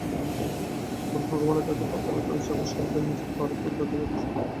তোমরা ভগবানের কাছে প্রার্থনা করছ, আবার সর্বদা নিজেদের বারুদও তাজা রাখছ।